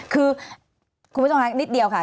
คือคุณผู้ชมคะนิดเดียวค่ะ